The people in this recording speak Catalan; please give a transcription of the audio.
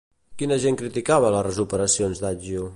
Quin agent criticava les operacions d'àgio?